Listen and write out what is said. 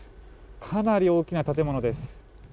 かなり大きな建物です。